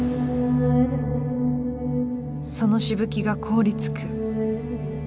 そのしぶきが凍りつく。